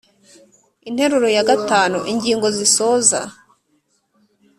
interuro ya v ingingo zisoza